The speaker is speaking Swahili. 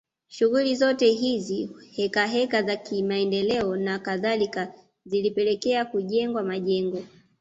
Shughuli zote hizi heka heka za kimaendeleo na kadhalika zilipelekea kujengwa majengo